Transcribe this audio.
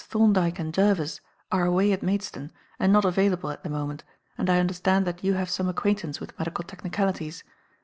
Thorndyke and Jervis, are away at Maidstone and not available at the moment, and I understand that you have some acquaintance with medical technicalities.